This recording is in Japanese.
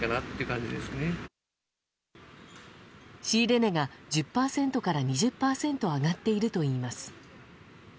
仕入れ値が１０％から２０％上がっているといいます。